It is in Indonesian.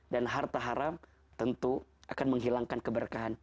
dan harta haram tentu akan menghilangkan keberkahan